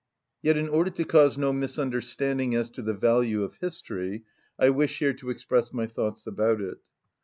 9. Yet, in order to cause no misunderstanding as to the value of history, I wish here to express my thoughts about it.